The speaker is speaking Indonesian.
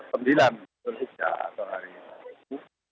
terus ya hari itu